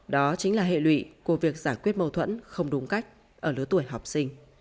đó chính là hệ lụy của việc giải quyết mâu thuẫn không đúng cách ở lứa tuổi học sinh